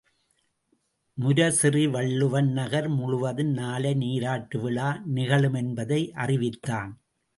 முரசெறி வள்ளுவன் நகர் முழுதும் நாளை நீராட்டு விழா நிகழுமென்பதை அறிவித்தான்.